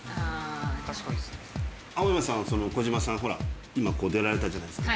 青山さんはその小島さんほら今ここ出られたじゃないですか。